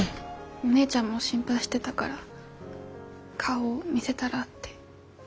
お姉ちゃんも心配してたから顔見せたらって。